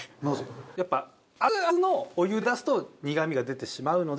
やっぱアツアツのお湯で出すと苦みが出てしまうので。